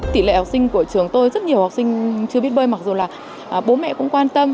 tỷ lệ học sinh của trường tôi rất nhiều học sinh chưa biết bơi mặc dù là bố mẹ cũng quan tâm